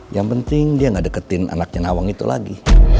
yang penting dia gak deketin anaknya nawang itu lagi